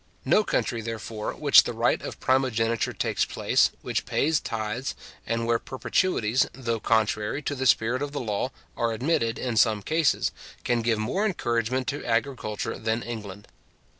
No country, therefore, which the right of primogeniture takes place, which pays tithes, and where perpetuities, though contrary to the spirit of the law, are admitted in some cases, can give more encouragement to agriculture than England.